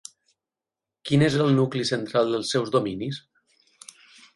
Quin és el nucli central dels seus dominis?